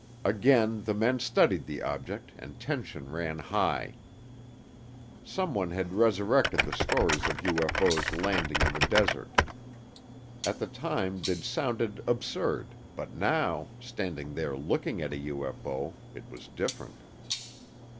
Again the men studied the object and tension ran high. Someone had resurrected the stories of UFO's landing in the desert. At the time they'd sounded absurd but now, standing there looking at a UFO, it was different.